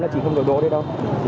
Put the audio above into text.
là chỉ không đổi đỗ đấy đâu